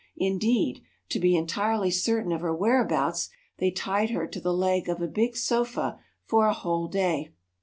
Indeed, to be entirely certain of her where abouts, they tied her to the leg of a big sofa for a whole day!